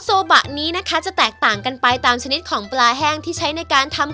โซบะนี้นะคะจะแตกต่างกันไปตามชนิดของปลาแห้งที่ใช้ในการทำ